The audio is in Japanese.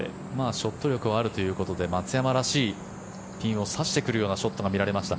ショット力はあるということで松山らしいピンを刺してくるようなショットが見られました。